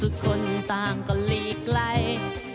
สุดคนตามก็หลีกไกล